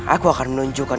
aku akan menunjukkan